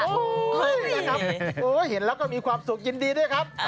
นะครับโอ้เห็นแล้วก็มีความสุขยินดีด้วยครับ